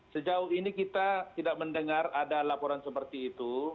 sejauh ini kita tidak mendengar ada laporan seperti itu